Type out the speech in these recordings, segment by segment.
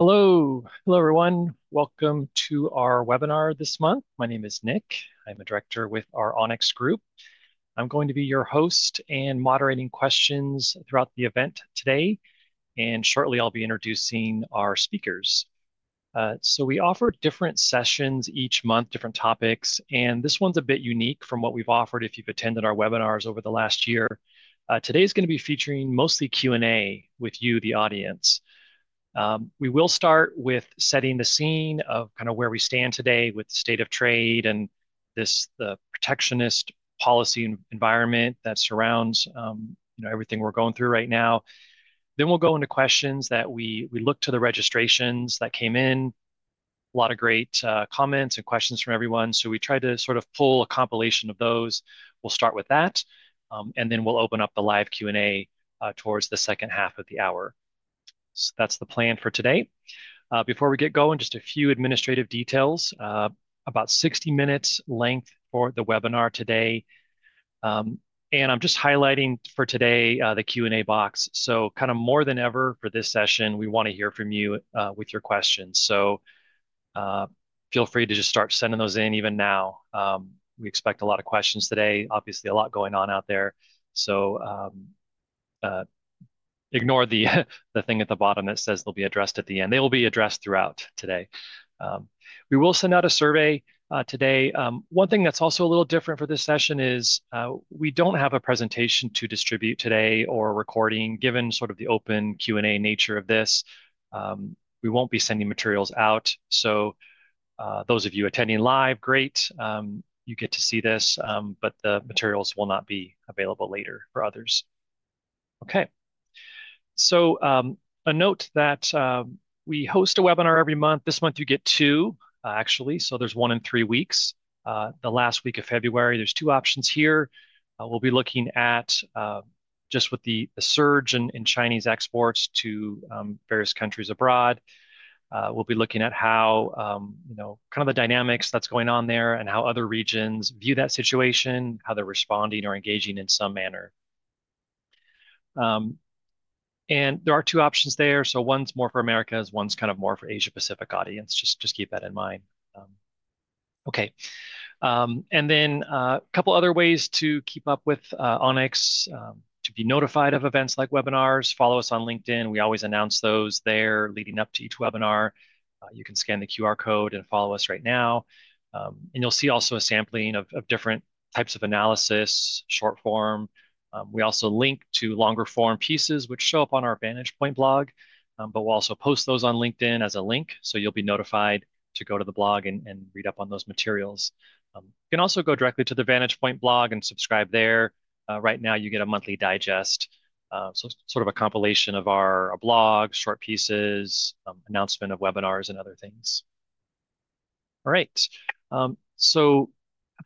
Hello, hello everyone. Welcome to our webinar this month. My name is Nick. I'm a director with our Onyx Group. I'm going to be your host and moderating questions throughout the event today, and shortly, I'll be introducing our speakers, so we offer different sessions each month, different topics, and this one's a bit unique from what we've offered if you've attended our webinars over the last year. Today is going to be featuring mostly Q&A with you, the audience. We will start with setting the scene of kind of where we stand today with the state of trade and this protectionist policy environment that surrounds everything we're going through right now, then we'll go into questions that we looked to the registrations that came in, a lot of great comments and questions from everyone, so we tried to sort of pull a compilation of those. We'll start with that. And then we'll open up the live Q&A towards the second half of the hour. So that's the plan for today. Before we get going, just a few administrative details, about 60 minutes length for the webinar today. And I'm just highlighting for today the Q&A box. So kind of more than ever for this session, we want to hear from you with your questions. So feel free to just start sending those in even now. We expect a lot of questions today, obviously a lot going on out there. So ignore the thing at the bottom that says they'll be addressed at the end. They will be addressed throughout today. We will send out a survey today. One thing that's also a little different for this session is we don't have a presentation to distribute today or a recording given sort of the open Q&A nature of this. We won't be sending materials out. So those of you attending live, great. You get to see this, but the materials will not be available later for others. Okay. So a note that we host a webinar every month. This month, you get two, actually. So there's one in three weeks. The last week of February, there's two options here. We'll be looking at just with the surge in Chinese exports to various countries abroad. We'll be looking at how kind of the dynamics that's going on there and how other regions view that situation, how they're responding or engaging in some manner. And there are two options there. So one's more for Americas as one's kind of more for Asia-Pacific audience. Just keep that in mind. Okay. Then a couple of other ways to keep up with Onyx, to be notified of events like webinars, follow us on LinkedIn. We always announce those there leading up to each webinar. You can scan the QR code and follow us right now. You'll see also a sampling of different types of analysis, short form. We also link to longer form pieces, which show up on our VantagePoint blog, but we'll also post those on LinkedIn as a link. You'll be notified to go to the blog and read up on those materials. You can also go directly to the VantagePoint blog and subscribe there. Right now, you get a monthly digest, so sort of a compilation of our blog, short pieces, announcement of webinars, and other things. All right.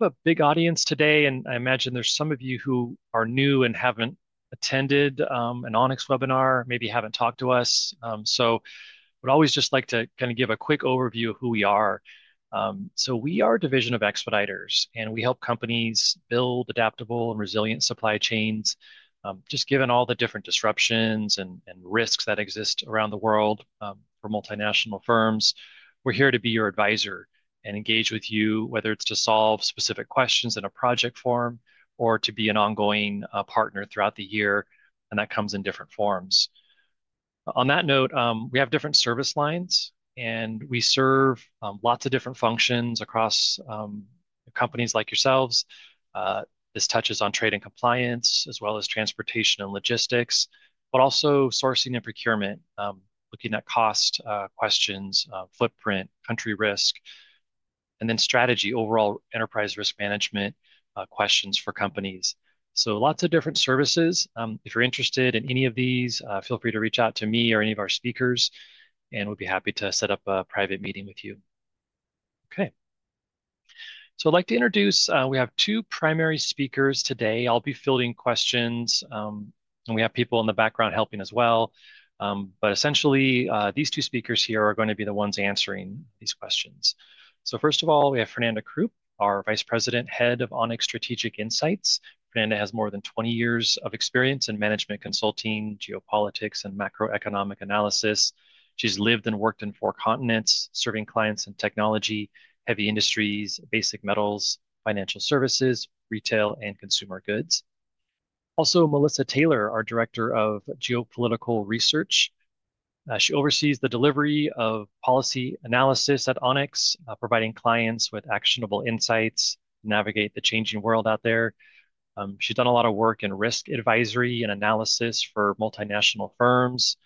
I have a big audience today, and I imagine there's some of you who are new and haven't attended an Onyx webinar, maybe haven't talked to us. So I would always just like to kind of give a quick overview of who we are. So we are a division of Expeditors, and we help companies build adaptable and resilient supply chains. Just given all the different disruptions and risks that exist around the world for multinational firms, we're here to be your advisor and engage with you, whether it's to solve specific questions in a project form or to be an ongoing partner throughout the year. And that comes in different forms. On that note, we have different service lines, and we serve lots of different functions across companies like yourselves. This touches on trade and compliance as well as transportation and logistics, but also sourcing and procurement, looking at cost questions, footprint, country risk, and then strategy, overall enterprise risk management questions for companies. So lots of different services. If you're interested in any of these, feel free to reach out to me or any of our speakers, and we'd be happy to set up a private meeting with you. Okay. So I'd like to introduce, we have two primary speakers today. I'll be fielding questions, and we have people in the background helping as well. But essentially, these two speakers here are going to be the ones answering these questions. So first of all, we have Fernanda Kroup, our Vice President, Head of Onyx Strategic Insights. Fernanda has more than 20 years of experience in management consulting, geopolitics, and macroeconomic analysis. She's lived and worked in four continents, serving clients in technology, heavy industries, basic metals, financial services, retail, and consumer goods. Also, Melissa Taylor, our Director of Geopolitical Research. She oversees the delivery of policy analysis at Onyx, providing clients with actionable insights to navigate the changing world out there. She's done a lot of work in risk advisory and analysis for multinational firms,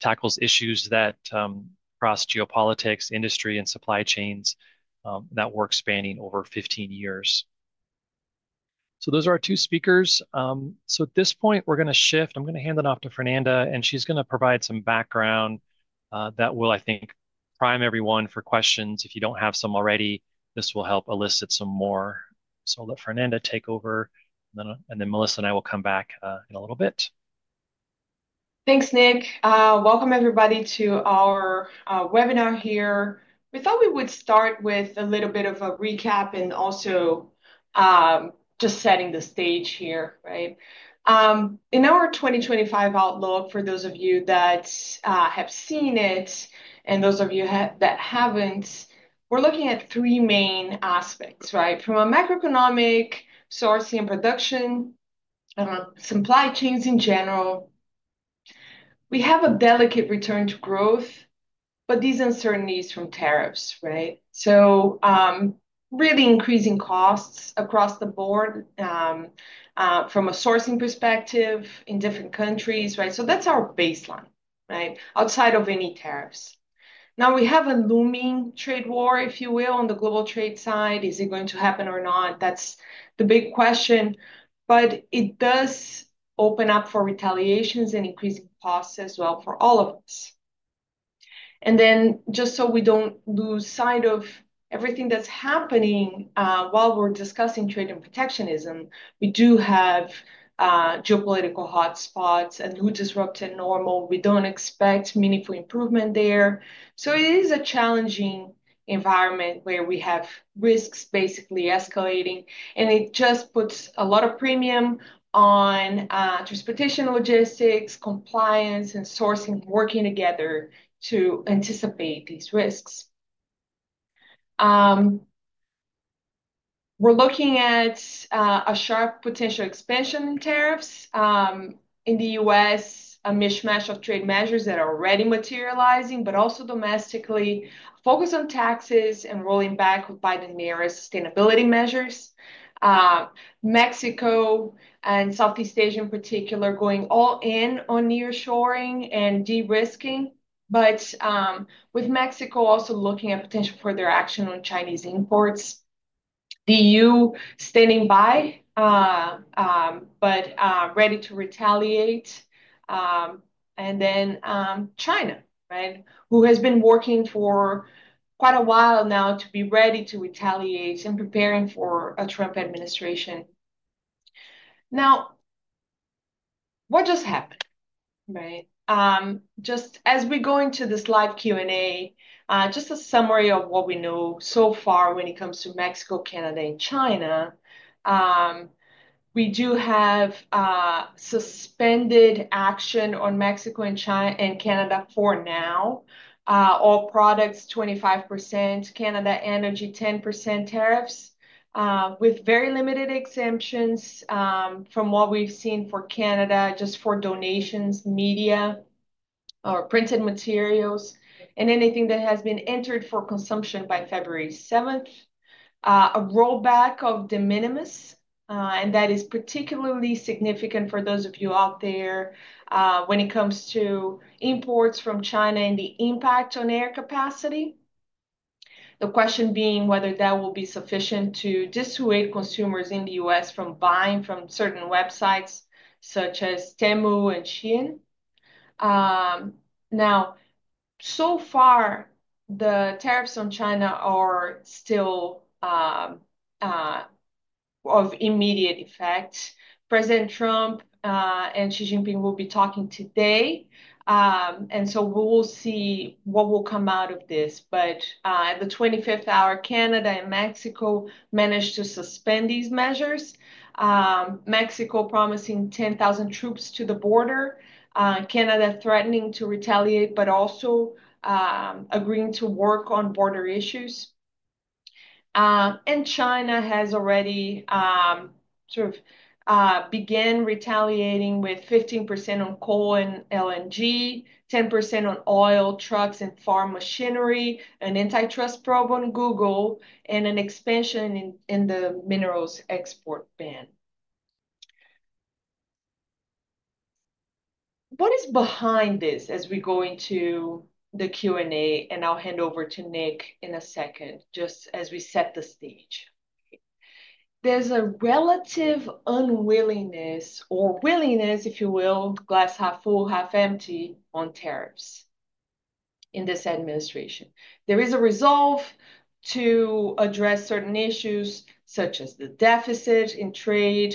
tackles issues that cross geopolitics, industry, and supply chains, that work spanning over 15 years, so those are our two speakers so at this point, we're going to shift. I'm going to hand it off to Fernanda, and she's going to provide some background that will, I think, prime everyone for questions. If you don't have some already, this will help elicit some more so I'll let Fernanda take over, and then Melissa and I will come back in a little bit. Thanks, Nick. Welcome, everybody, to our webinar here. We thought we would start with a little bit of a recap and also just setting the stage here, right? In our 2025 outlook, for those of you that have seen it and those of you that haven't, we're looking at three main aspects, right? From a macroeconomic, sourcing and production, supply chains in general, we have a delicate return to growth, but these uncertainties from tariffs, right? So really increasing costs across the board from a sourcing perspective in different countries, right? So that's our baseline, right? Outside of any tariffs. Now, we have a looming trade war, if you will, on the global trade side. Is it going to happen or not? That's the big question. But it does open up for retaliations and increasing costs as well for all of us. And then just so we don't lose sight of everything that's happening while we're discussing trade and protectionism, we do have geopolitical hotspots and the Houthis disrupt the norm. We don't expect meaningful improvement there, so it is a challenging environment where we have risks basically escalating, and it just puts a lot of premium on transportation, logistics, compliance, and sourcing working together to anticipate these risks. We're looking at a sharp potential expansion in tariffs in the U.S., a mishmash of trade measures that are already materializing, but also domestically focused on taxes and rolling back with Biden-era sustainability measures, Mexico and Southeast Asia in particular going all in on nearshoring and de-risking, but with Mexico also looking at potential further action on Chinese imports. The E.U. standing by, but ready to retaliate. And then China, right, who has been working for quite a while now to be ready to retaliate and preparing for a Trump administration. Now, what just happened, right? Just as we go into this live Q&A, just a summary of what we know so far when it comes to Mexico, Canada, and China. We do have suspended action on Mexico and Canada for now. All products 25%, Canada energy 10% tariffs with very limited exemptions from what we've seen for Canada just for donations, media, or printed materials, and anything that has been entered for consumption by February 7th. A rollback of De minimis, and that is particularly significant for those of you out there when it comes to imports from China and the impact on air capacity. The question being whether that will be sufficient to dissuade consumers in the U.S. from buying from certain websites such as Temu and Shein. Now, so far, the tariffs on China are still of immediate effect. President Trump and Xi Jinping will be talking today, and so we will see what will come out of this, but at the 25th hour, Canada and Mexico managed to suspend these measures. Mexico promising 10,000 troops to the border. Canada threatening to retaliate, but also agreeing to work on border issues, and China has already sort of begun retaliating with 15% on coal and LNG, 10% on oil, trucks, and farm machinery, an antitrust probe on Google, and an expansion in the minerals export ban. What is behind this as we go into the Q&A, and I'll hand over to Nick in a second just as we set the stage. There's a relative unwillingness or willingness, if you will, glass half full, half empty on tariffs in this administration. There is a resolve to address certain issues such as the deficit in trade,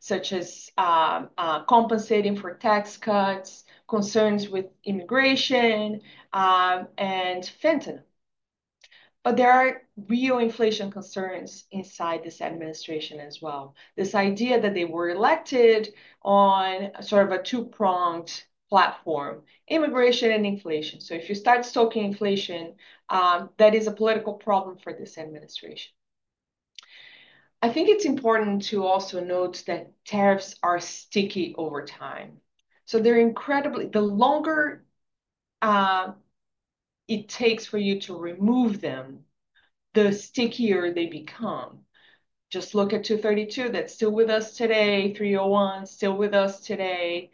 such as compensating for tax cuts, concerns with immigration, and fentanyl. There are real inflation concerns inside this administration as well. This idea that they were elected on sort of a two-pronged platform, immigration and inflation. If you start stoking inflation, that is a political problem for this administration. I think it's important to also note that tariffs are sticky over time. They're incredibly the longer it takes for you to remove them, the stickier they become. Just look at 232 that's still with us today, 301 still with us today.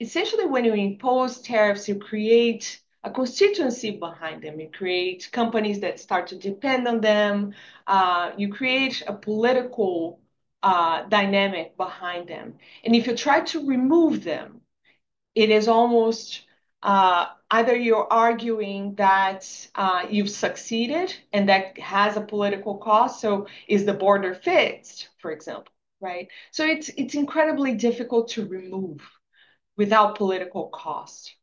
Essentially, when you impose tariffs, you create a constituency behind them. You create companies that start to depend on them. You create a political dynamic behind them. And if you try to remove them, it is almost either you're arguing that you've succeeded and that has a political cost. So is the border fixed, for example, right? So it's incredibly difficult to remove without political cost.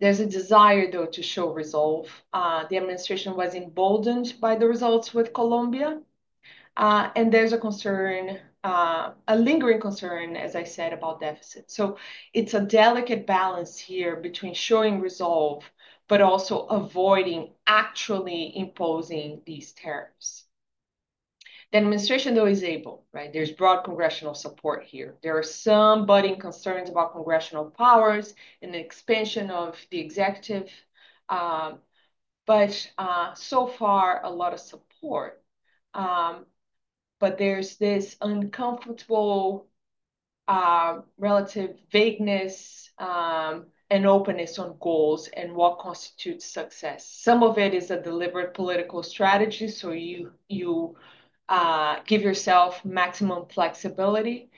There's a desire, though, to show resolve. The administration was emboldened by the results with Colombia. And there's a concern, a lingering concern, as I said, about deficit. So it's a delicate balance here between showing resolve, but also avoiding actually imposing these tariffs. The administration, though, is able, right? There's broad congressional support here. There are some budding concerns about congressional powers and the expansion of the executive. But so far, a lot of support. But there's this uncomfortable relative vagueness and openness on goals and what constitutes success. Some of it is a deliberate political strategy. So you give yourself maximum flexibility.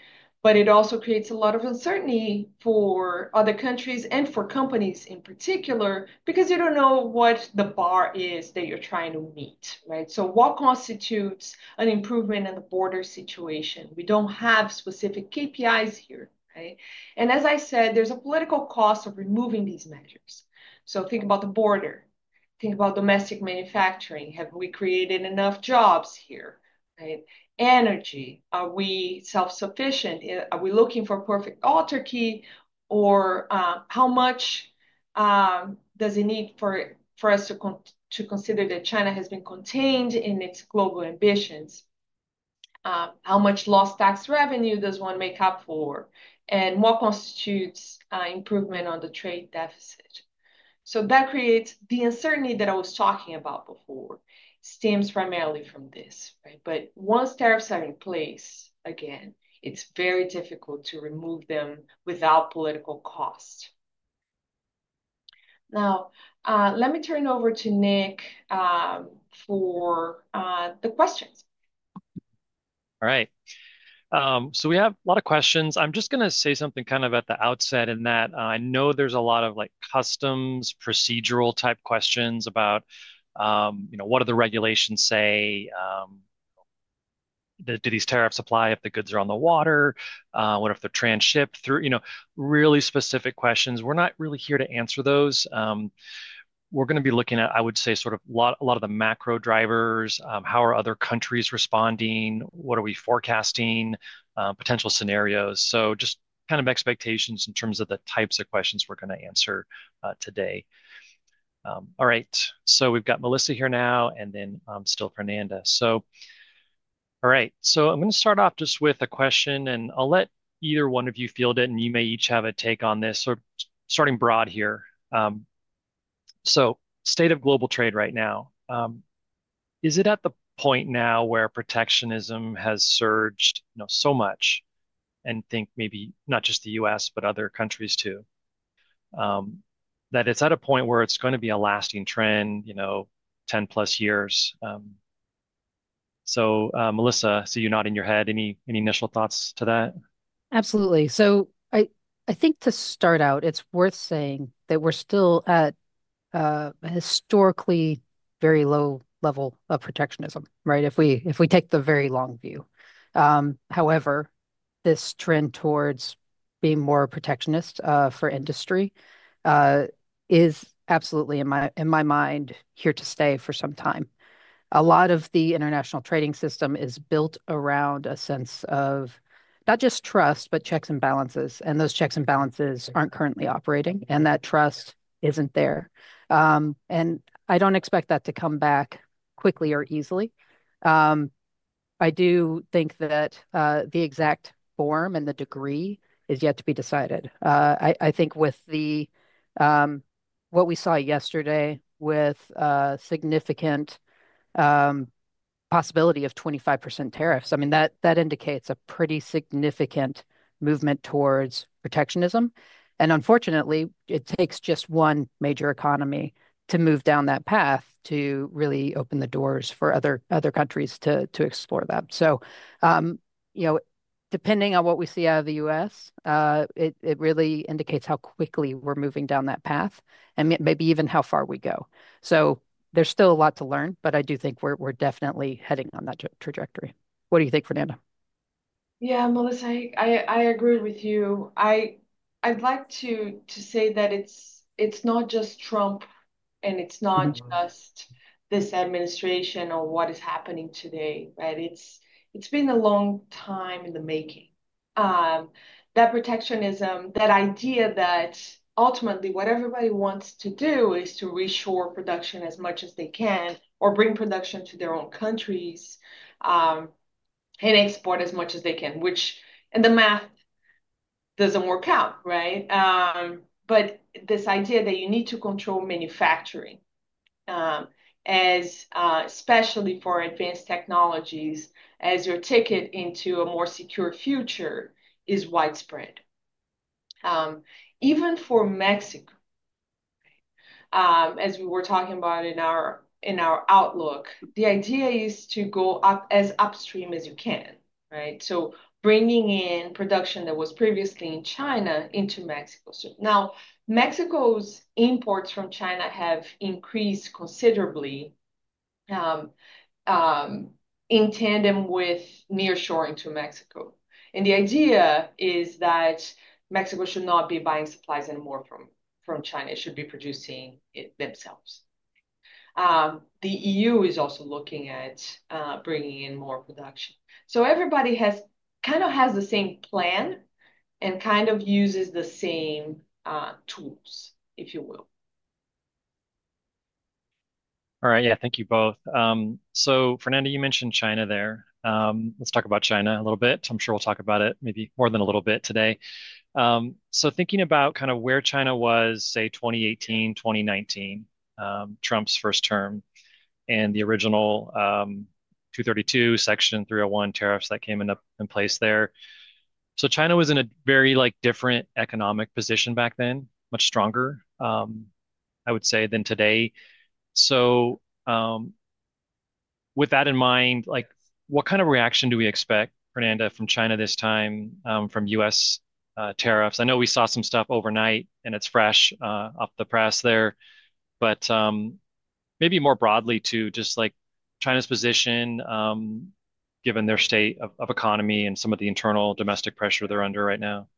But it also creates a lot of uncertainty for other countries and for companies in particular because you don't know what the bar is that you're trying to meet, right? So what constitutes an improvement in the border situation? We don't have specific KPIs here, right? And as I said, there's a political cost of removing these measures. So think about the border. Think about domestic manufacturing. Have we created enough jobs here, right? Energy. Are we self-sufficient? Are we looking for perfect autarky? Or how much does it need for us to consider that China has been contained in its global ambitions? How much lost tax revenue does one make up for? And what constitutes improvement on the trade deficit? So that creates the uncertainty that I was talking about before. Stems primarily from this, right? But once tariffs are in place, again, it's very difficult to remove them without political cost. Now, let me turn over to Nick for the questions. All right. So we have a lot of questions. I'm just going to say something kind of at the outset in that I know there's a lot of customs procedural type questions about what do the regulations say? Do these tariffs apply if the goods are on the water? What if they're transshipped through? Really specific questions. We're not really here to answer those. We're going to be looking at, I would say, sort of a lot of the macro drivers. How are other countries responding? What are we forecasting? Potential scenarios. So just kind of expectations in terms of the types of questions we're going to answer today. All right. So we've got Melissa here now, and then still Fernanda. So all right. So I'm going to start off just with a question, and I'll let either one of you field it, and you may each have a take on this. So starting broad here. So state of global trade right now. Is it at the point now where protectionism has surged so much and think maybe not just the U.S., but other countries too, that it's at a point where it's going to be a lasting trend, 10+ years? So Melissa, see you nodding your head. Any initial thoughts to that? Absolutely, so I think to start out, it's worth saying that we're still at a historically very low level of protectionism, right? If we take the very long view, however, this trend towards being more protectionist for industry is absolutely in my mind here to stay for some time. A lot of the international trading system is built around a sense of not just trust, but checks and balances, and those checks and balances aren't currently operating, and that trust isn't there, and I don't expect that to come back quickly or easily. I do think that the exact form and the degree is yet to be decided. I think with what we saw yesterday with significant possibility of 25% tariffs, I mean, that indicates a pretty significant movement towards protectionism. And unfortunately, it takes just one major economy to move down that path to really open the doors for other countries to explore that. So depending on what we see out of the U.S., it really indicates how quickly we're moving down that path and maybe even how far we go. So there's still a lot to learn, but I do think we're definitely heading on that trajectory. What do you think, Fernanda? Yeah, Melissa, I agree with you. I'd like to say that it's not just Trump and it's not just this administration or what is happening today, right? It's been a long time in the making. That Protectionism, that idea that ultimately what everybody wants to do is to reshore production as much as they can or bring production to their own countries and export as much as they can, which in the math doesn't work out, right? But this idea that you need to control manufacturing, especially for advanced technologies, as your ticket into a more secure future is widespread. Even for Mexico, as we were talking about in our outlook, the idea is to go as upstream as you can, right? So bringing in production that was previously in China into Mexico. Now, Mexico's imports from China have increased considerably in tandem with nearshoring to Mexico. The idea is that Mexico should not be buying supplies anymore from China. It should be producing it themselves. The EU is also looking at bringing in more production. Everybody kind of has the same plan and kind of uses the same tools, if you will. All right. Yeah. Thank you both. So Fernanda, you mentioned China there. Let's talk about China a little bit. I'm sure we'll talk about it maybe more than a little bit today. So thinking about kind of where China was, say, 2018, 2019, Trump's first term and the original Section 232, Section 301 tariffs that came in place there. So China was in a very different economic position back then, much stronger, I would say, than today. So with that in mind, what kind of reaction do we expect, Fernanda, from China this time from U.S. tariffs? I know we saw some stuff overnight, and it's fresh off the press there. But maybe more broadly to just China's position, given their state of economy and some of the internal domestic pressure they're under right now.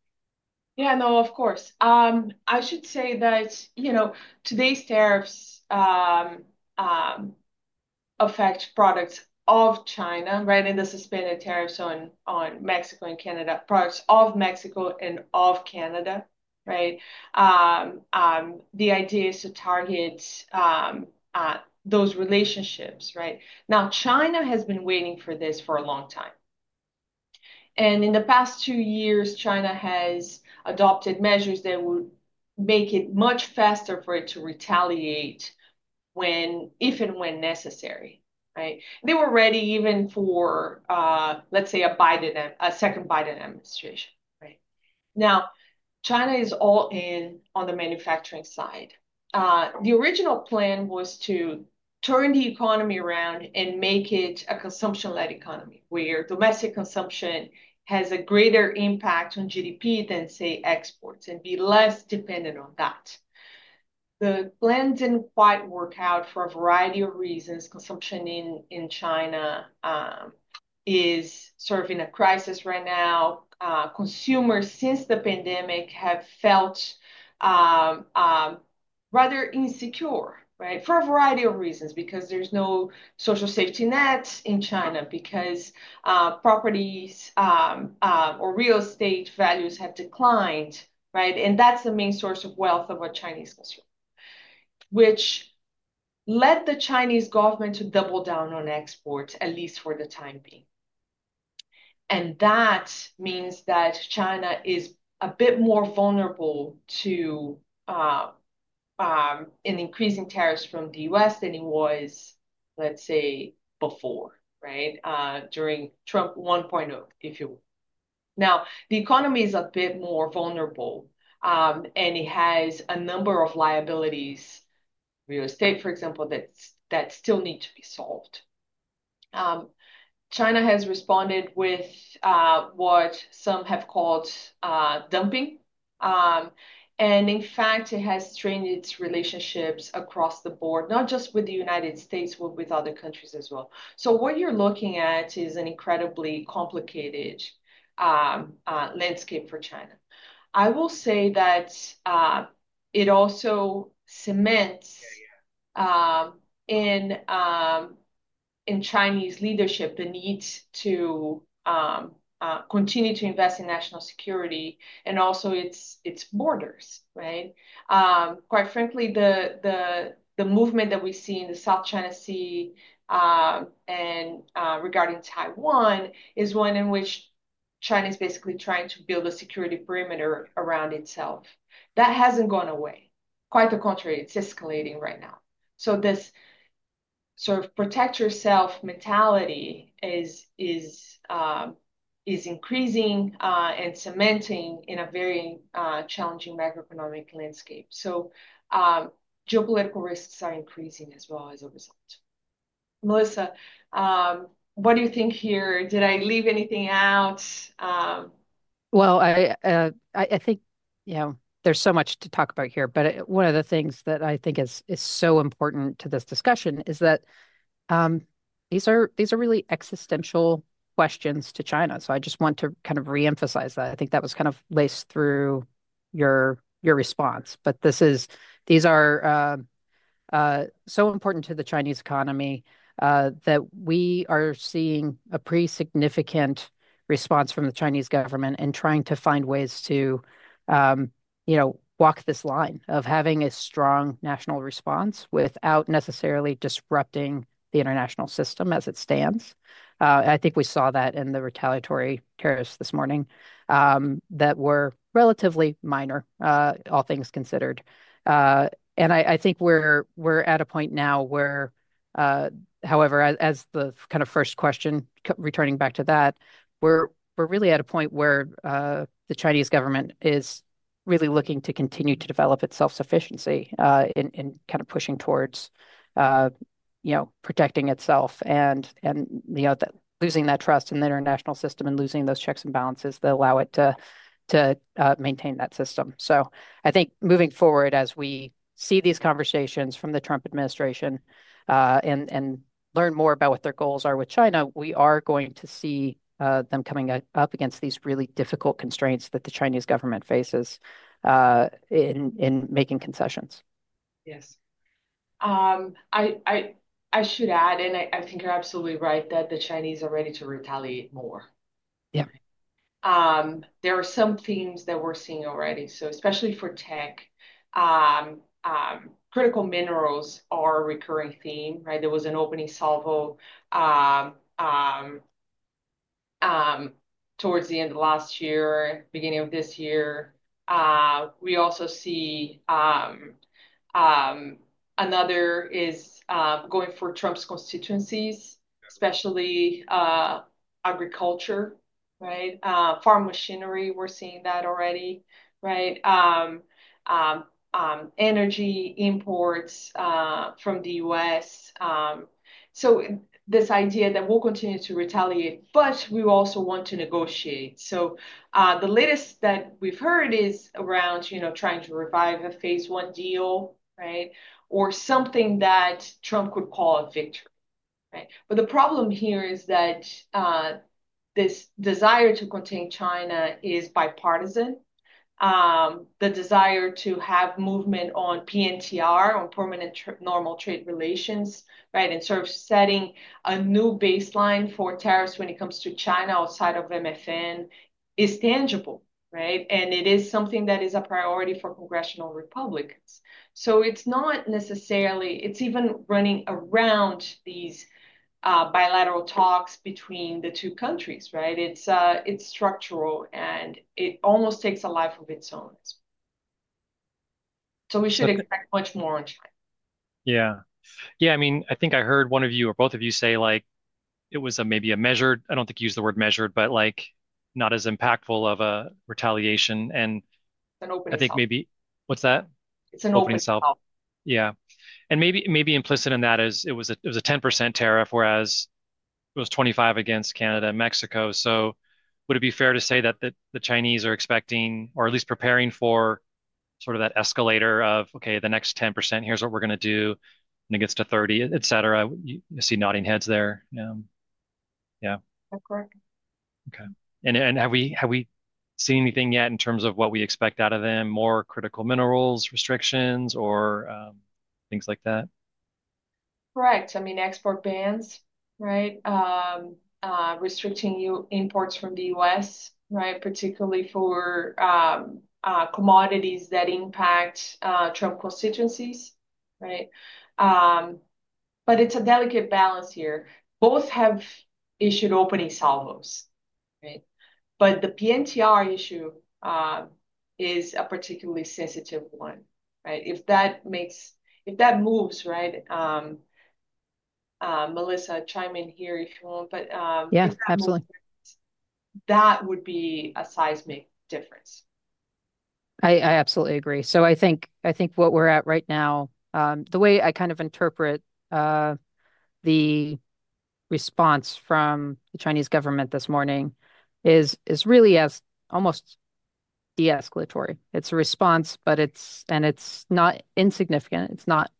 Yeah, no, of course. I should say that today's tariffs affect products of China, right? And the suspended tariffs on Mexico and Canada, products of Mexico and of Canada, right? The idea is to target those relationships, right? Now, China has been waiting for this for a long time. And in the past two years, China has adopted measures that would make it much faster for it to retaliate if and when necessary, right? They were ready even for, let's say, a second Biden administration, right? Now, China is all in on the manufacturing side. The original plan was to turn the economy around and make it a consumption-led economy where domestic consumption has a greater impact on GDP than, say, exports and be less dependent on that. The plan didn't quite work out for a variety of reasons. Consumption in China is serving a crisis right now. Consumers since the pandemic have felt rather insecure, right? For a variety of reasons because there's no social safety net in China, because properties or real estate values have declined, right? And that's the main source of wealth of a Chinese consumer, which led the Chinese government to double down on exports, at least for the time being. And that means that China is a bit more vulnerable to an increasing tariffs from the U.S. than it was, let's say, before, right? During Trump 1.0, if you will. Now, the economy is a bit more vulnerable, and it has a number of liabilities, real estate, for example, that still need to be solved. China has responded with what some have called dumping. And in fact, it has strained its relationships across the board, not just with the United States, but with other countries as well. So what you're looking at is an incredibly complicated landscape for China. I will say that it also cements in Chinese leadership the need to continue to invest in national security and also its borders, right? Quite frankly, the movement that we see in the South China Sea and regarding Taiwan is one in which China is basically trying to build a security perimeter around itself. That hasn't gone away. Quite the contrary, it's escalating right now. So this sort of protect yourself mentality is increasing and cementing in a very challenging macroeconomic landscape. So geopolitical risks are increasing as well as a result. Melissa, what do you think here? Did I leave anything out? I think there's so much to talk about here, but one of the things that I think is so important to this discussion is that these are really existential questions to China. I just want to kind of reemphasize that. I think that was kind of laced through your response. These are so important to the Chinese economy that we are seeing a pretty significant response from the Chinese government and trying to find ways to walk this line of having a strong national response without necessarily disrupting the international system as it stands. I think we saw that in the retaliatory tariffs this morning that were relatively minor, all things considered. I think we're at a point now where, however, as the kind of first question, returning back to that, we're really at a point where the Chinese government is really looking to continue to develop its self-sufficiency and kind of pushing towards protecting itself and losing that trust in the international system and losing those checks and balances that allow it to maintain that system. I think moving forward, as we see these conversations from the Trump administration and learn more about what their goals are with China, we are going to see them coming up against these really difficult constraints that the Chinese government faces in making concessions. Yes. I should add, and I think you're absolutely right that the Chinese are ready to retaliate more. Yeah. There are some themes that we're seeing already. So especially for tech, critical minerals are a recurring theme, right? There was an opening salvo towards the end of last year, beginning of this year. We also see another is going for Trump's constituencies, especially agriculture, right? Farm machinery, we're seeing that already, right? Energy imports from the U.S. So this idea that we'll continue to retaliate, but we also want to negotiate. So the latest that we've heard is around trying to revive a phase one deal, right? Or something that Trump could call a victory, right? But the problem here is that this desire to contain China is bipartisan. The desire to have movement on PNTR, on Permanent Normal Trade Relations, right? And sort of setting a new baseline for tariffs when it comes to China outside of MFN is tangible, right? It is something that is a priority for congressional Republicans. It's not necessarily even running around these bilateral talks between the two countries, right? It's structural, and it almost takes a life of its own. We should expect much more in China. Yeah. Yeah. I mean, I think I heard one of you or both of you say it was maybe a measured. I don't think you used the word measured, but not as impactful of a retaliation. And I think maybe what's that? It's an opening salvo. Yeah. And maybe implicit in that is it was a 10% tariff, whereas it was 25% against Canada and Mexico. So would it be fair to say that the Chinese are expecting or at least preparing for sort of that escalator of, "Okay, the next 10%, here's what we're going to do when it gets to 30%," etc.? You see nodding heads there. Yeah. Correct. Okay. And have we seen anything yet in terms of what we expect out of them? More critical minerals restrictions or things like that? Correct. I mean, export bans, right? Restricting imports from the U.S., right? Particularly for commodities that impact Trump constituencies, right? But it's a delicate balance here. Both have issued opening salvos, right? But the PNTR issue is a particularly sensitive one, right? If that moves, right? Melissa, chime in here if you want, but. Yeah, absolutely. That would be a seismic difference. I absolutely agree, so I think what we're at right now, the way I kind of interpret the response from the Chinese government this morning is really almost de-escalatory. It's a response, and it's not insignificant. It's not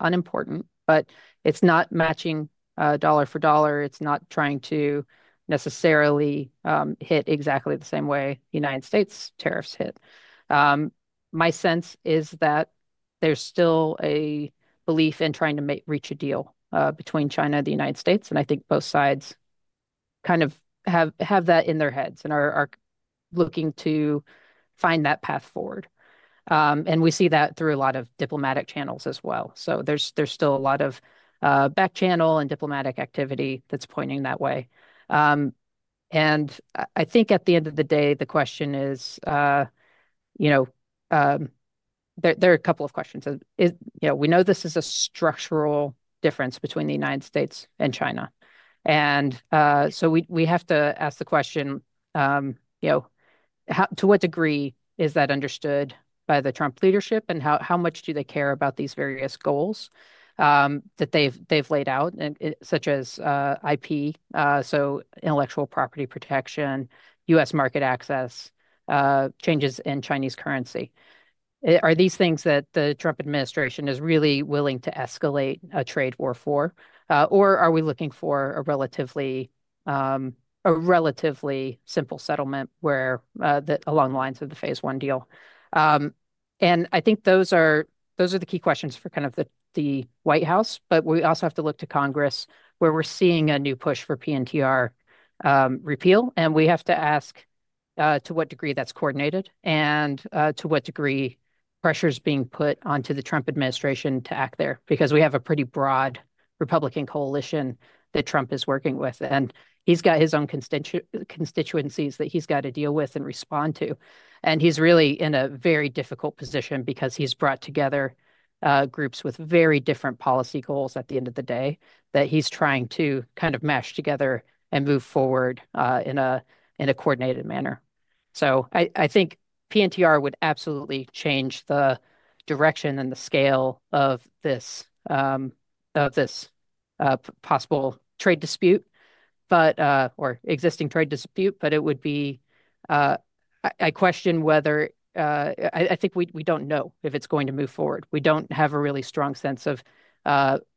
unimportant, but it's not matching dollar for dollar. It's not trying to necessarily hit exactly the same way the United States tariffs hit. My sense is that there's still a belief in trying to reach a deal between China and the United States, and I think both sides kind of have that in their heads and are looking to find that path forward, and we see that through a lot of diplomatic channels as well, so there's still a lot of back channel and diplomatic activity that's pointing that way, and I think at the end of the day, the question is there are a couple of questions. We know this is a structural difference between the United States and China. And so we have to ask the question, to what degree is that understood by the Trump leadership? And how much do they care about these various goals that they've laid out, such as IP, so Intellectual Property Protection, U.S. market access, changes in Chinese currency? Are these things that the Trump administration is really willing to escalate a trade war for? Or are we looking for a relatively simple settlement along the lines of the phase one deal? And I think those are the key questions for kind of the White House. But we also have to look to Congress where we're seeing a new push for PNTR repeal. And we have to ask to what degree that's coordinated and to what degree pressure is being put onto the Trump administration to act there because we have a pretty broad Republican coalition that Trump is working with. And he's got his own constituencies that he's got to deal with and respond to. And he's really in a very difficult position because he's brought together groups with very different policy goals at the end of the day that he's trying to kind of mash together and move forward in a coordinated manner. So I think PNTR would absolutely change the direction and the scale of this possible trade dispute or existing trade dispute, but it would be. I question whether. I think we don't know if it's going to move forward. We don't have a really strong sense of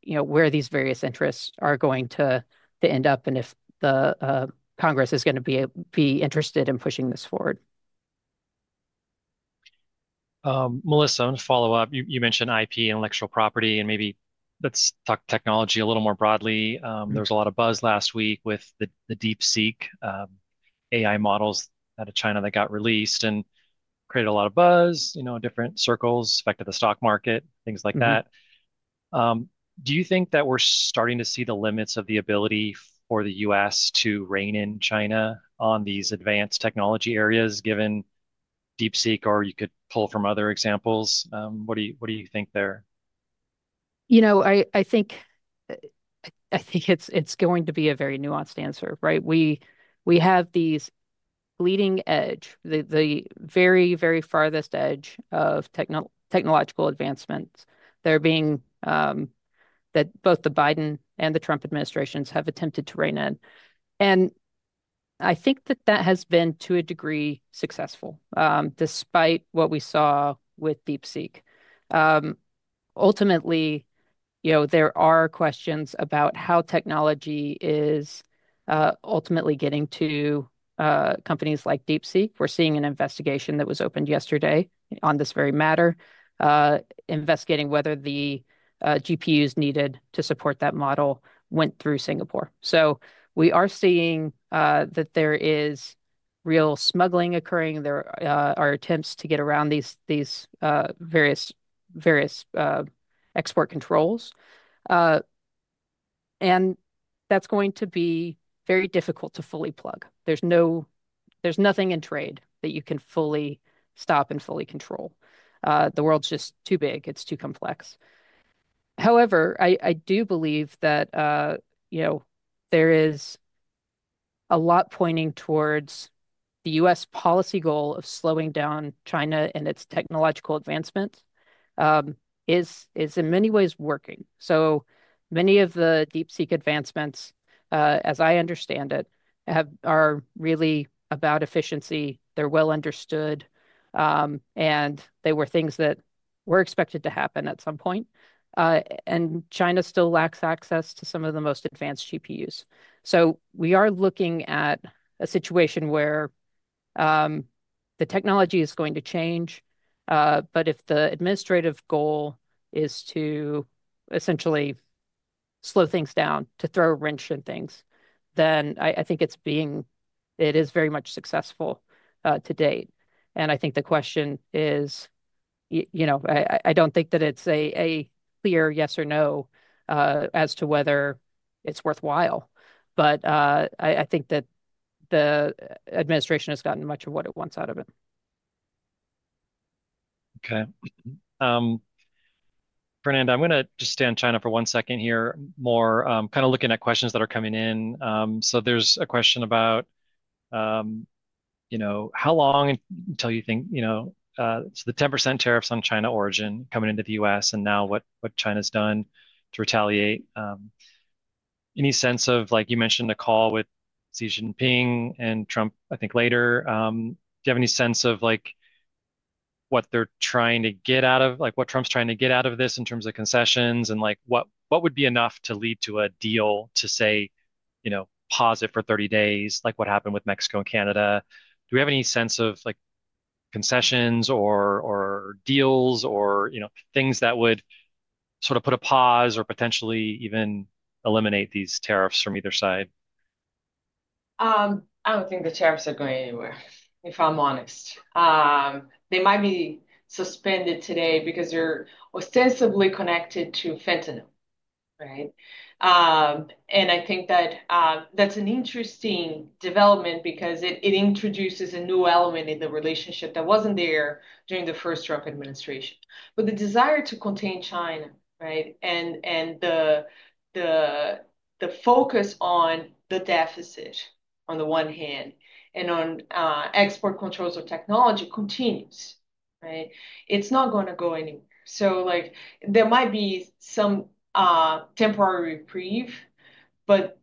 where these various interests are going to end up and if the Congress is going to be interested in pushing this forward. Melissa, I want to follow up. You mentioned IP, intellectual property, and maybe let's talk technology a little more broadly. There was a lot of buzz last week with the DeepSeek AI models out of China that got released and created a lot of buzz in different circles, affected the stock market, things like that. Do you think that we're starting to see the limits of the ability for the U.S. to rein in China on these advanced technology areas given DeepSeek or you could pull from other examples? What do you think there? You know, I think it's going to be a very nuanced answer, right? We have these leading edge, the very, very farthest edge of technological advancements that both the Biden and the Trump administrations have attempted to rein in, and I think that has been to a degree successful despite what we saw with DeepSeek. Ultimately, there are questions about how technology is ultimately getting to companies like DeepSeek. We're seeing an investigation that was opened yesterday on this very matter, investigating whether the GPUs needed to support that model went through Singapore, so we are seeing that there is real smuggling occurring. There are attempts to get around these various export controls, and that's going to be very difficult to fully plug. There's nothing in trade that you can fully stop and fully control. The world's just too big. It's too complex. However, I do believe that there is a lot pointing towards the U.S. policy goal of slowing down China and its technological advancements is in many ways working, so many of the DeepSeek advancements, as I understand it, are really about efficiency. They're well understood, and they were things that were expected to happen at some point, and China still lacks access to some of the most advanced GPUs, so we are looking at a situation where the technology is going to change, but if the administrative goal is to essentially slow things down, to throw a wrench in things, then I think it is very much successful to date, and I think the question is, I don't think that it's a clear yes or no as to whether it's worthwhile, but I think that the administration has gotten much of what it wants out of it. Okay. Fernanda, I'm going to just stay on China for one second here more, kind of looking at questions that are coming in. So there's a question about how long until you think so the 10% tariffs on China origin coming into the U.S. and now what China's done to retaliate. Any sense of, like you mentioned, a call with Xi Jinping and Trump, I think, later? Do you have any sense of what they're trying to get out of what Trump's trying to get out of this in terms of concessions and what would be enough to lead to a deal to say pause it for 30 days, like what happened with Mexico and Canada? Do we have any sense of concessions or deals or things that would sort of put a pause or potentially even eliminate these tariffs from either side? I don't think the tariffs are going anywhere, if I'm honest. They might be suspended today because they're ostensibly connected to fentanyl, right, and I think that that's an interesting development because it introduces a new element in the relationship that wasn't there during the first Trump administration. But the desire to contain China, right, and the focus on the deficit on the one hand and on export controls of technology continues, right? It's not going to go anywhere. So there might be some temporary reprieve, but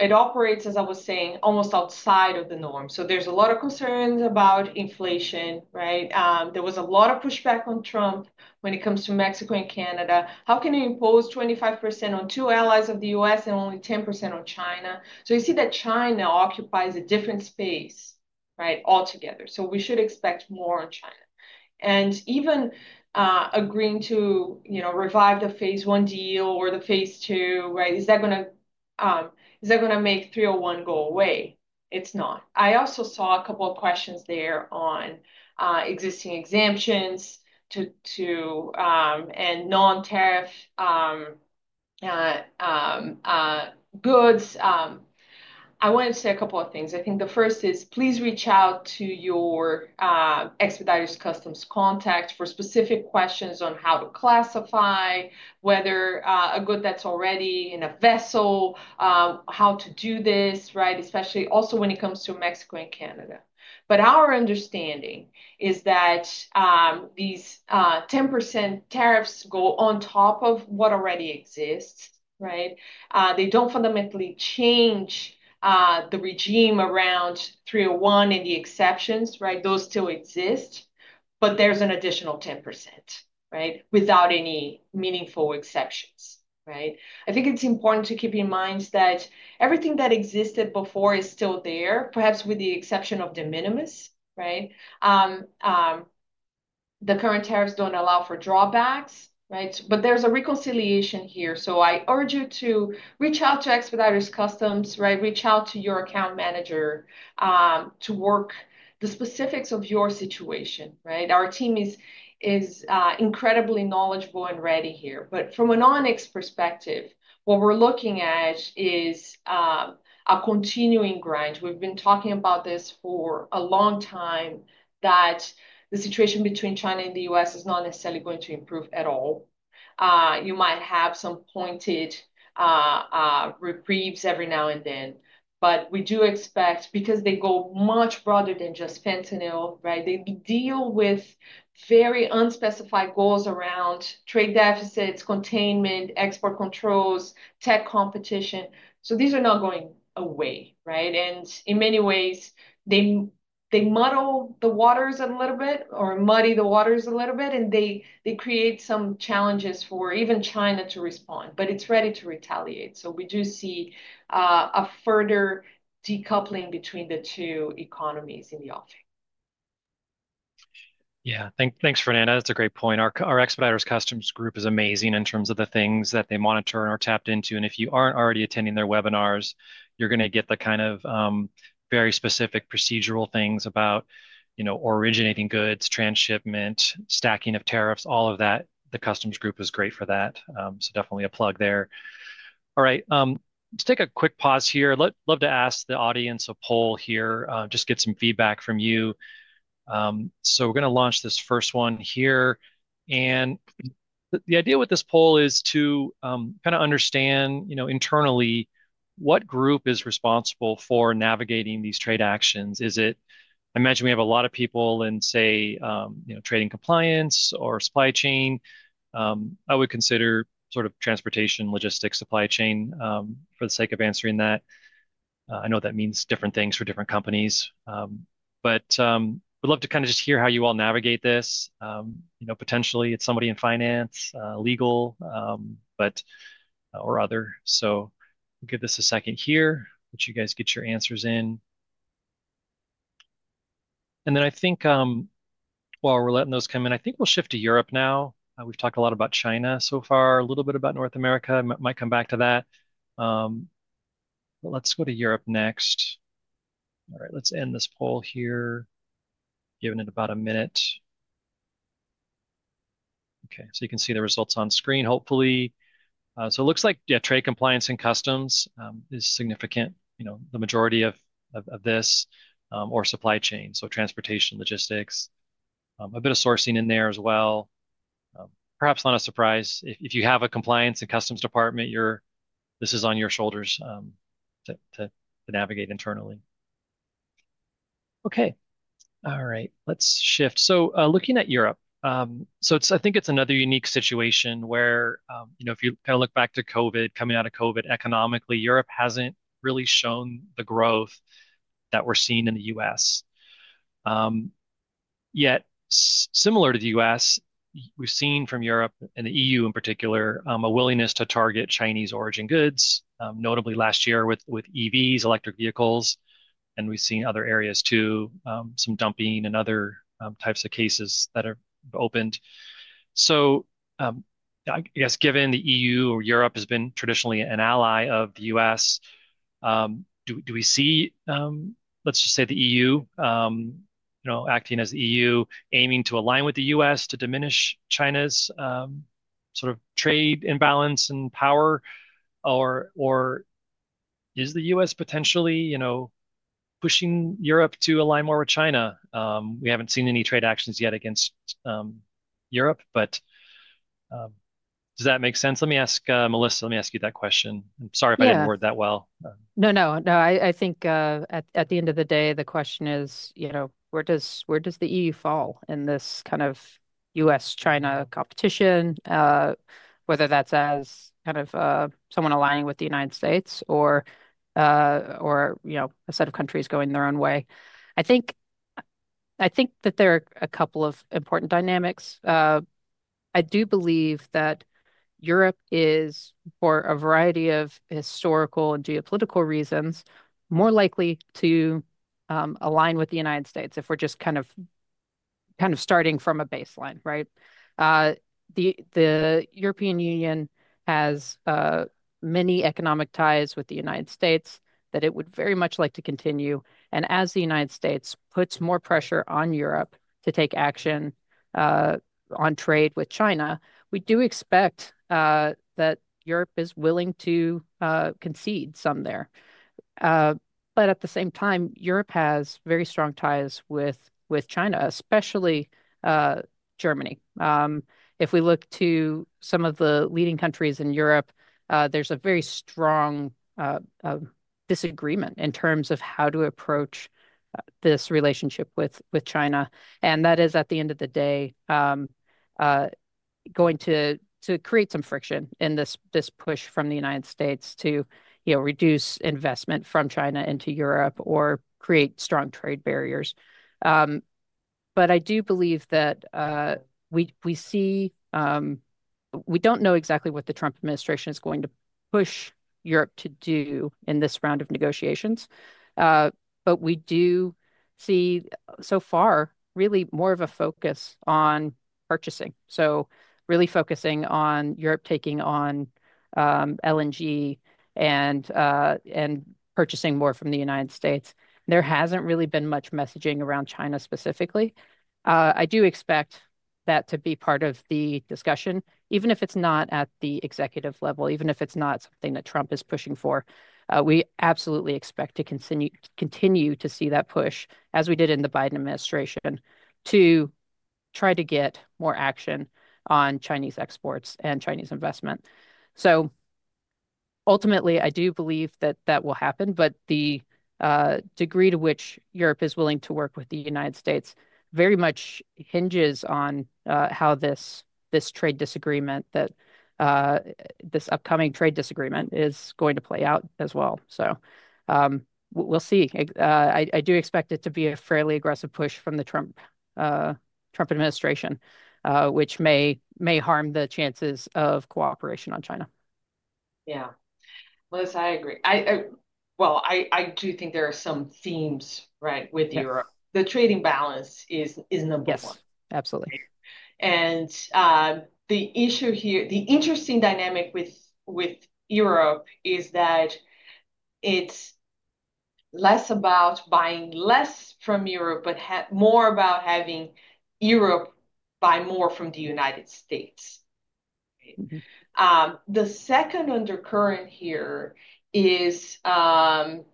it operates, as I was saying, almost outside of the norm. So there's a lot of concerns about inflation, right? There was a lot of pushback on Trump when it comes to Mexico and Canada. How can you impose 25% on two allies of the U.S. and only 10% on China? So you see that China occupies a different space, right, altogether. We should expect more on China. Even agreeing to revive the phase one deal or the phase two, right, is that going to make 301 go away? It's not. I also saw a couple of questions there on existing exemptions and non-tariff goods. I want to say a couple of things. I think the first is please reach out to your Expeditors customs contact for specific questions on how to classify whether a good that's already in a vessel, how to do this, right, especially also when it comes to Mexico and Canada. But our understanding is that these 10% tariffs go on top of what already exists, right? They don't fundamentally change the regime around 301 and the exceptions, right? Those still exist, but there's an additional 10%, right, without any meaningful exceptions, right? I think it's important to keep in mind that everything that existed before is still there, perhaps with the exception of De minimis, right? The current tariffs don't allow for drawbacks, right? But there's a reconciliation here. So I urge you to reach out to Expeditors customs, right? Reach out to your account manager to work the specifics of your situation, right? Our team is incredibly knowledgeable and ready here. But from an Onyx perspective, what we're looking at is a continuing grind. We've been talking about this for a long time that the situation between China and the U.S. is not necessarily going to improve at all. You might have some pointed reprieves every now and then. But we do expect, because they go much broader than just fentanyl, right? They deal with very unspecified goals around trade deficits, containment, export controls, tech competition. So these are not going away, right? And in many ways, they muddy the waters a little bit, and they create some challenges for even China to respond. But it's ready to retaliate. So we do see a further decoupling between the two economies in the offing. Yeah. Thanks, Fernanda. That's a great point. Our expedited customs group is amazing in terms of the things that they monitor and are tapped into, and if you aren't already attending their webinars, you're going to get the kind of very specific procedural things about originating goods, transshipment, stacking of tariffs, all of that. The customs group is great for that. So definitely a plug there. All right. Let's take a quick pause here. I'd love to ask the audience a poll here, just get some feedback from you, so we're going to launch this first one here, and the idea with this poll is to kind of understand internally what group is responsible for navigating these trade actions. I imagine we have a lot of people in, say, trading compliance or supply chain. I would consider sort of transportation, logistics, supply chain for the sake of answering that. I know that means different things for different companies. But I would love to kind of just hear how you all navigate this. Potentially, it's somebody in finance, legal, or other. So we'll give this a second here, let you guys get your answers in. And then I think while we're letting those come in, I think we'll shift to Europe now. We've talked a lot about China so far, a little bit about North America. Might come back to that. But let's go to Europe next. All right. Let's end this poll here. Give it about a minute. Okay. So you can see the results on screen, hopefully. So it looks like, yeah, trade compliance and customs is significant, the majority of this, or supply chain. So transportation, logistics, a bit of sourcing in there as well. Perhaps not a surprise. If you have a compliance and customs department, this is on your shoulders to navigate internally. Okay. All right. Let's shift so looking at Europe, so I think it's another unique situation where if you kind of look back to COVID, coming out of COVID, economically, Europe hasn't really shown the growth that we're seeing in the U.S. Yet, similar to the U.S., we've seen from Europe and the E.U. in particular, a willingness to target Chinese origin goods, notably last year with EVs, electric vehicles, and we've seen other areas too, some dumping and other types of cases that have opened, so I guess given the E.U. or Europe has been traditionally an ally of the U.S., do we see, let's just say the E.U. acting as the E.U., aiming to align with the U.S. to diminish China's sort of trade imbalance and power? Or is the U.S. potentially pushing Europe to align more with China? We haven't seen any trade actions yet against Europe, but does that make sense? Let me ask Melissa. Let me ask you that question. I'm sorry if I didn't word that well. No, no, no. I think at the end of the day, the question is, where does the E.U. fall in this kind of U.S.-China competition, whether that's as kind of someone aligning with the United States or a set of countries going their own way? I think that there are a couple of important dynamics. I do believe that Europe is, for a variety of historical and geopolitical reasons, more likely to align with the United States if we're just kind of starting from a baseline, right? The European Union has many economic ties with the United States that it would very much like to continue. And as the United States puts more pressure on Europe to take action on trade with China, we do expect that Europe is willing to concede some there. But at the same time, Europe has very strong ties with China, especially Germany. If we look to some of the leading countries in Europe, there's a very strong disagreement in terms of how to approach this relationship with China. And that is, at the end of the day, going to create some friction in this push from the United States to reduce investment from China into Europe or create strong trade barriers. But I do believe that we see we don't know exactly what the Trump administration is going to push Europe to do in this round of negotiations. But we do see so far really more of a focus on purchasing. So really focusing on Europe taking on LNG and purchasing more from the United States. There hasn't really been much messaging around China specifically. I do expect that to be part of the discussion, even if it's not at the executive level, even if it's not something that Trump is pushing for. We absolutely expect to continue to see that push, as we did in the Biden administration, to try to get more action on Chinese exports and Chinese investment. So ultimately, I do believe that that will happen. But the degree to which Europe is willing to work with the United States very much hinges on how this trade disagreement, this upcoming trade disagreement, is going to play out as well. So we'll see. I do expect it to be a fairly aggressive push from the Trump administration, which may harm the chances of cooperation on China. Yeah. Melissa, I agree. Well, I do think there are some themes, right, with Europe. The trading balance is number one. Yes, absolutely. The issue here, the interesting dynamic with Europe is that it's less about buying less from Europe, but more about having Europe buy more from the United States. The second undercurrent here is the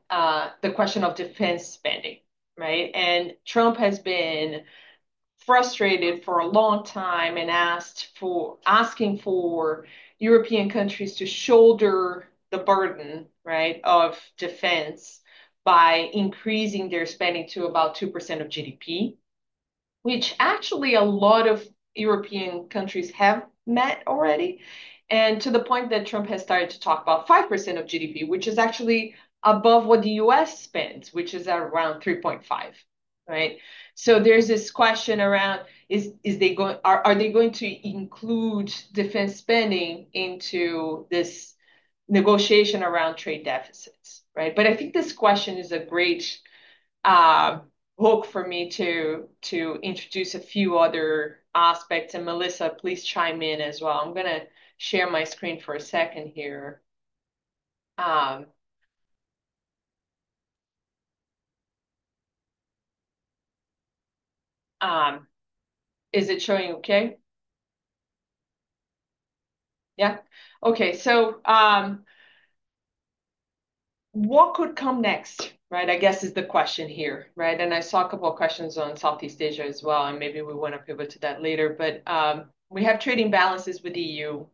question of defense spending, right? Trump has been frustrated for a long time and asking for European countries to shoulder the burden, right, of defense by increasing their spending to about 2% of GDP, which actually a lot of European countries have met already. To the point that Trump has started to talk about 5% of GDP, which is actually above what the U.S. spends, which is around 3.5%, right? There's this question around, are they going to include defense spending into this negotiation around trade deficits, right? But I think this question is a great hook for me to introduce a few other aspects. Melissa, please chime in as well. I'm going to share my screen for a second here. Is it showing okay? Yeah. Okay. So what could come next, right? I guess is the question here, right? And I saw a couple of questions on Southeast Asia as well, and maybe we want to pivot to that later. But we have trading balances with the E.U.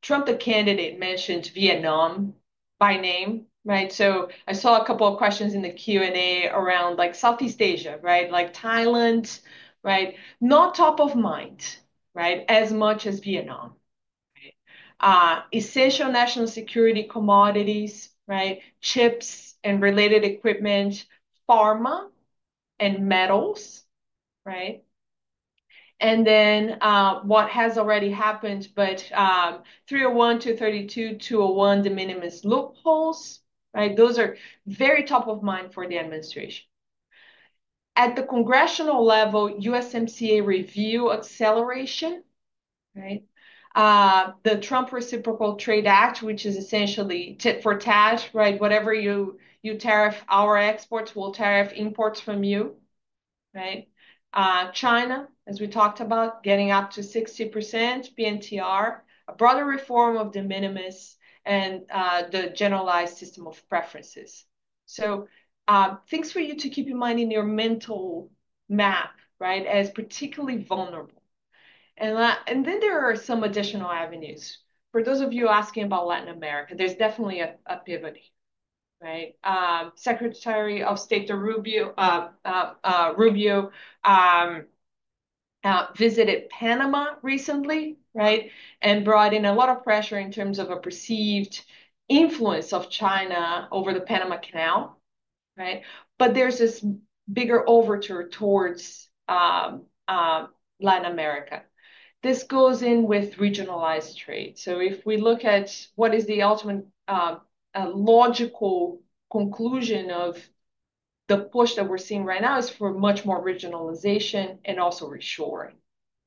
Trump, the candidate, mentioned Vietnam by name, right? So I saw a couple of questions in the Q&A around Southeast Asia, right? Like Thailand, right? Not top of mind, right, as much as Vietnam, right? Essential national security commodities, right? Chips and related equipment, pharma and metals, right? And then what has already happened, but 301, 232, 201, De minimis loopholes, right? Those are very top of mind for the administration. At the congressional level, USMCA review acceleration, right? The Trump Reciprocal Trade Act, which is essentially tit for tat, right? Whatever you tariff our exports, we'll tariff imports from you, right? China, as we talked about, getting up to 60% PNTR, a broader reform of De minimis and the Generalized System of Preferences. So things for you to keep in mind in your mental map, right, as particularly vulnerable. And then there are some additional avenues. For those of you asking about Latin America, there's definitely a pivot, right? Secretary of State Rubio visited Panama recently, right? And brought in a lot of pressure in terms of a perceived influence of China over the Panama Canal, right? But there's this bigger overture towards Latin America. This goes in with regionalized trade. So if we look at what is the ultimate logical conclusion of the push that we're seeing right now is for much more regionalization and also reshoring,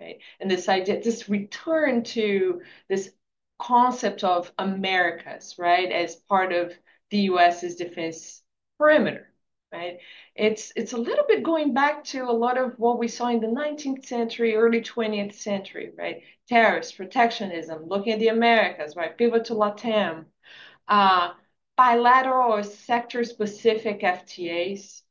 right? And this idea, this return to this concept of Americas, right, as part of the U.S.'s defense perimeter, right? It's a little bit going back to a lot of what we saw in the 19th century, early 20th century, right? Tariffs, Protectionism, looking at the Americas, right? Pivot to Latin, bilateral sector-specific FTAs,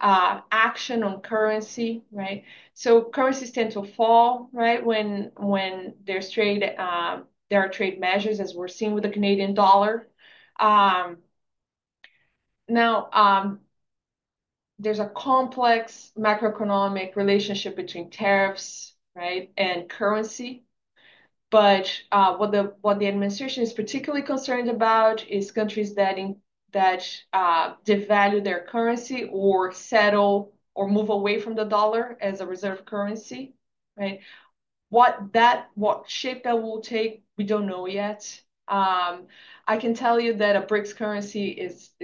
action on currency, right? So currencies tend to fall, right, when there are trade measures, as we're seeing with the Canadian dollar. Now, there's a complex macroeconomic relationship between tariffs, right, and currency. But what the administration is particularly concerned about is countries that devalue their currency or settle or move away from the dollar as a reserve currency, right? What shape that will take, we don't know yet. I can tell you that a BRICS currency is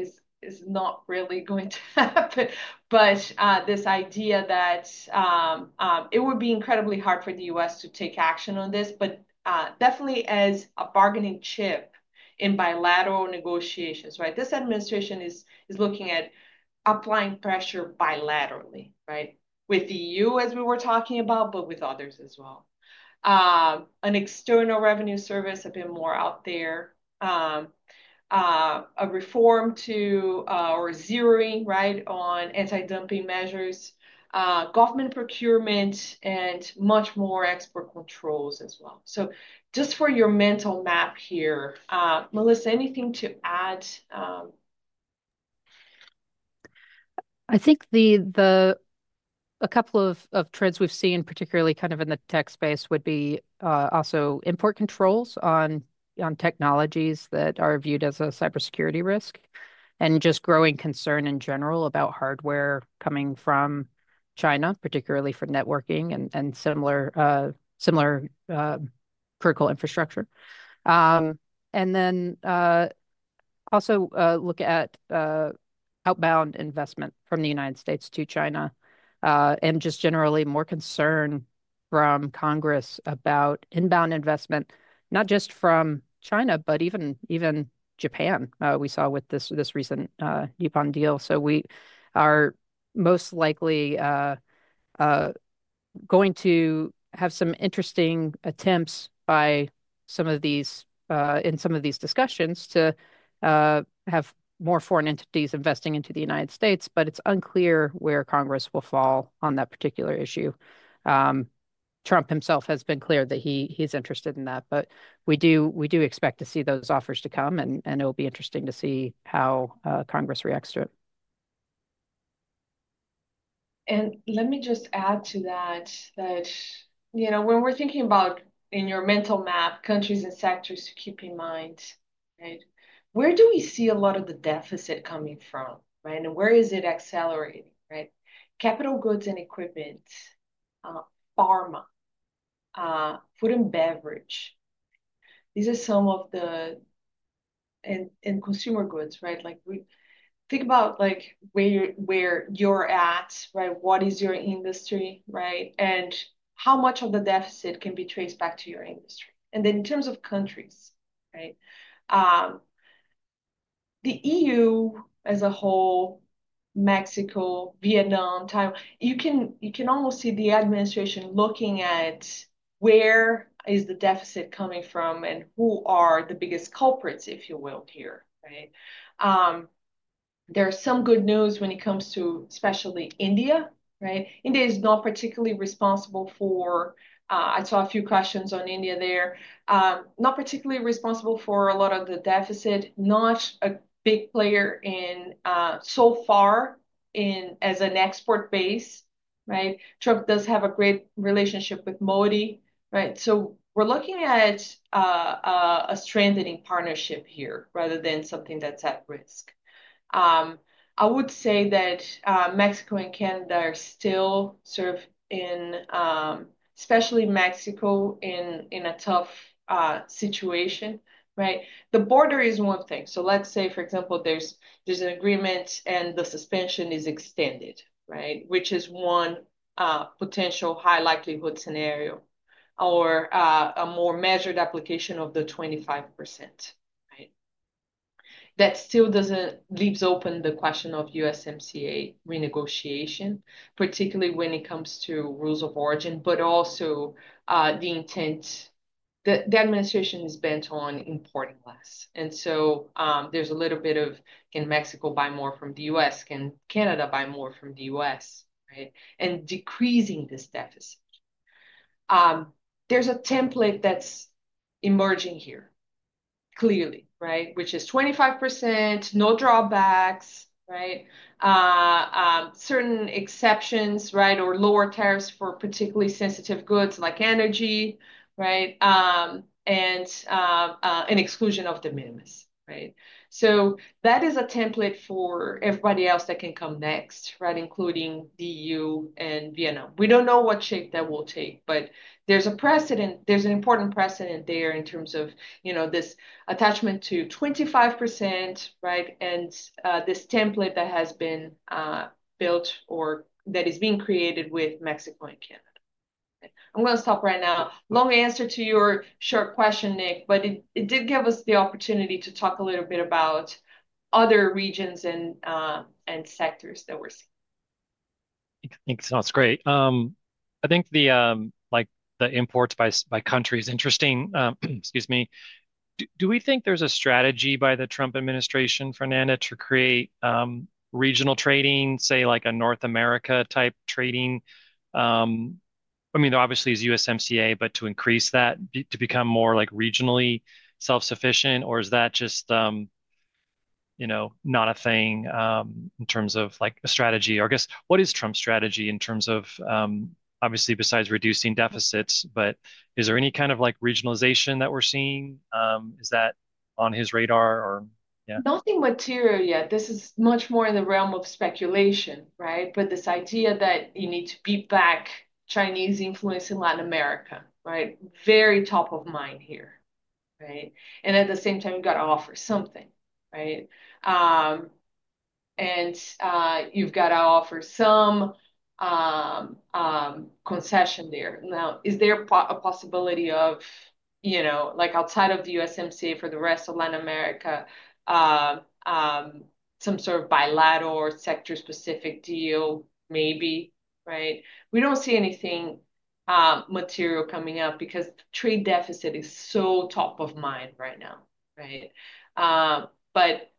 not really going to happen. But this idea that it would be incredibly hard for the U.S. to take action on this, but definitely as a bargaining chip in bilateral negotiations, right? This administration is looking at applying pressure bilaterally, right? With the E.U., as we were talking about, but with others as well, and external revenue service a bit more out there, a reform to WTO zeroing, right, on anti-dumping measures, government procurement, and much more, export controls as well. So just for your mental map here, Melissa, anything to add? I think a couple of trends we've seen, particularly kind of in the tech space, would be also import controls on technologies that are viewed as a cybersecurity risk and just growing concern in general about hardware coming from China, particularly for networking and similar critical infrastructure. And then also look at outbound investment from the United States to China and just generally more concern from Congress about inbound investment, not just from China, but even Japan we saw with this recent Yukon deal. So we are most likely going to have some interesting attempts by some of these in some of these discussions to have more foreign entities investing into the United States. But it's unclear where Congress will fall on that particular issue. Trump himself has been clear that he's interested in that. But we do expect to see those offers to come, and it will be interesting to see how Congress reacts to it. Let me just add to that that when we're thinking about in your mental map, countries and sectors to keep in mind, right? Where do we see a lot of the deficit coming from, right? And where is it accelerating, right? Capital goods and equipment, pharma, food and beverage. These are some of the and consumer goods, right? Think about where you're at, right? What is your industry, right? And how much of the deficit can be traced back to your industry? And then in terms of countries, right? The EU as a whole, Mexico, Vietnam, Thailand, you can almost see the administration looking at where is the deficit coming from and who are the biggest culprits, if you will, here, right? There's some good news when it comes to especially India, right? India is not particularly responsible for. I saw a few questions on India there. Not particularly responsible for a lot of the deficit, not a big player so far as an export base, right? Trump does have a great relationship with Modi, right? So we're looking at a strengthening partnership here rather than something that's at risk. I would say that Mexico and Canada are still sort of in, especially Mexico, in a tough situation, right? The border is one thing. So let's say, for example, there's an agreement and the suspension is extended, right? Which is one potential high likelihood scenario or a more measured application of the 25%, right? That still leaves open the question of USMCA renegotiation, particularly when it comes to rules of origin, but also the intent the administration is bent on importing less. And so there's a little bit of, can Mexico buy more from the U.S.? Can Canada buy more from the U.S., right? Decreasing this deficit. There's a template that's emerging here clearly, right? Which is 25%, no drawbacks, right? Certain exceptions, right? Or lower tariffs for particularly sensitive goods like energy, right? And an exclusion of De minimis, right? So that is a template for everybody else that can come next, right? Including the EU and Vietnam. We don't know what shape that will take, but there's a precedent. There's an important precedent there in terms of this attachment to 25%, right? And this template that has been built or that is being created with Mexico and Canada. I'm going to stop right now. Long answer to your short question, Nick, but it did give us the opportunity to talk a little bit about other regions and sectors that we're seeing. Thanks. That's great. I think the imports by countries is interesting. Excuse me. Do we think there's a strategy by the Trump administration, Fernanda, to create regional trading, say, like a North America type trading? I mean, obviously, there's USMCA, but to increase that to become more regionally self-sufficient, or is that just not a thing in terms of a strategy? Or I guess, what is Trump's strategy in terms of, obviously, besides reducing deficits, but is there any kind of regionalization that we're seeing? Is that on his radar or yeah? Nothing material yet. This is much more in the realm of speculation, right? But this idea that you need to beat back Chinese influence in Latin America, right? Very top of mind here, right? And at the same time, you've got to offer something, right? And you've got to offer some concession there. Now, is there a possibility of, outside of the USMCA for the rest of Latin America, some sort of bilateral or sector-specific deal, maybe, right? We don't see anything material coming up because trade deficit is so top of mind right now, right? But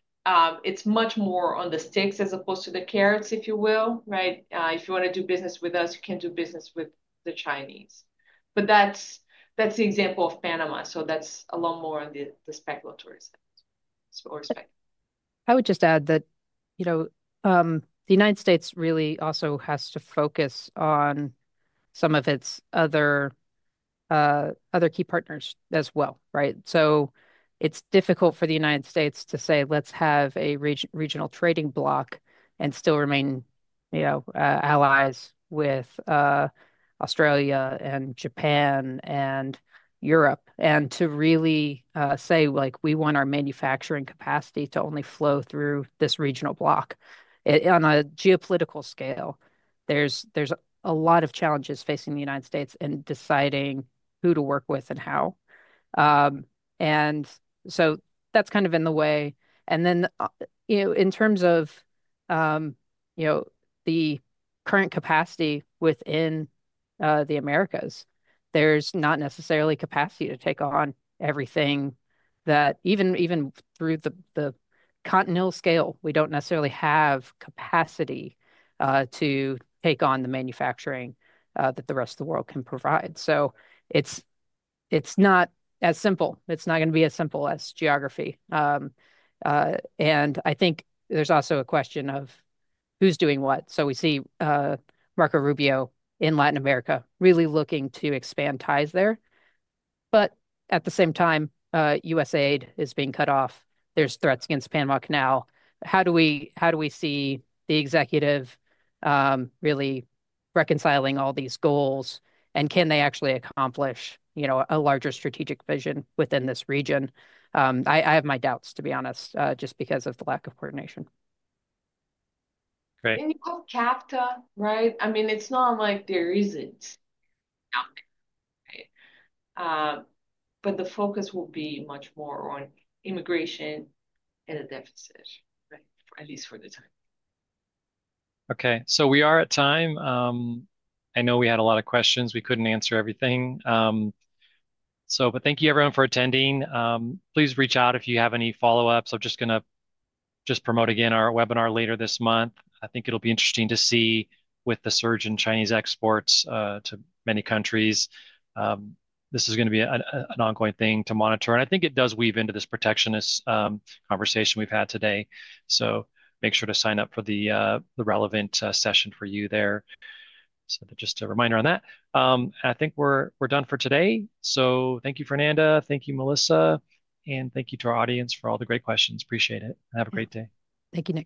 it's much more on the sticks as opposed to the carrots, if you will, right? If you want to do business with us, you can't do business with the Chinese. But that's the example of Panama. So that's a lot more on the speculative side. I would just add that the United States really also has to focus on some of its other key partners as well, right, so it's difficult for the United States to say, "Let's have a regional trading bloc and still remain allies with Australia and Japan and Europe," and to really say, "We want our manufacturing capacity to only flow through this regional bloc." On a geopolitical scale, there's a lot of challenges facing the United States in deciding who to work with and how, and so that's kind of in the way, and then in terms of the current capacity within the Americas, there's not necessarily capacity to take on everything that even through the continental scale, we don't necessarily have capacity to take on the manufacturing that the rest of the world can provide, so it's not as simple. It's not going to be as simple as geography. I think there's also a question of who's doing what. We see Marco Rubio in Latin America really looking to expand ties there. At the same time, USAID is being cut off. There's threats against Panama Canal. How do we see the executive really reconciling all these goals, and can they actually accomplish a larger strategic vision within this region? I have my doubts, to be honest, just because of the lack of coordination. Great. Capital, right? I mean, it's not like there isn't out there, right? But the focus will be much more on immigration and a deficit, right? At least for the time. Okay, so we are at time. I know we had a lot of questions. We couldn't answer everything. But thank you, everyone, for attending. Please reach out if you have any follow-ups. I'm just going to just promote again our webinar later this month. I think it'll be interesting to see with the surge in Chinese exports to many countries. This is going to be an ongoing thing to monitor, and I think it does weave into this protectionist conversation we've had today, so make sure to sign up for the relevant session for you there, so just a reminder on that, and I think we're done for today, so thank you, Fernanda. Thank you, Melissa, and thank you to our audience for all the great questions. Appreciate it. Have a great day. Thank you.